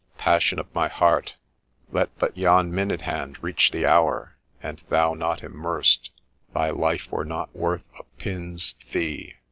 * Passion of my heart ! let but yon minute hand reach the hour, and thou not immersed, thy life were not worth a pin's fee